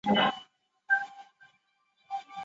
本鱼分布于夏威夷群岛。